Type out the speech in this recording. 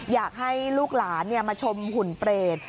อยากให้ลูกหลานมาชมหุ่นเปรต